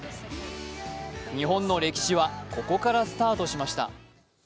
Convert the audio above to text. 日本の歴史はここからスタートしました。